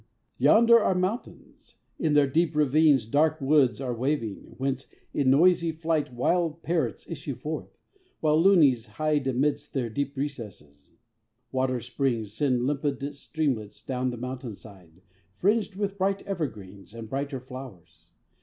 Yonder are mountains; in their deep ravines Dark woods are waving, whence in noisy flight Wild parrots issue forth, while loonies hide Amidst their deep recesses. Water springs Send limpid streamlets down the mountain side, Fringed with bright evergreens, and brighter flowers.